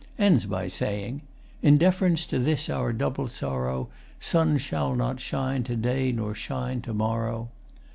Ends by saying: In deference to this our double sorrow | Sun shall not shine to day nor shine to morrow.